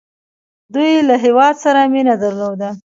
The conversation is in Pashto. دوی له هیواد سره مینه درلوده.